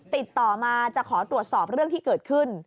ติดต่อมาจะขอตรวจสอบเรื่องที่เกิดขึ้น